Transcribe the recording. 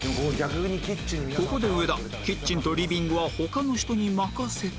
ここで上田キッチンとリビングは他の人に任せて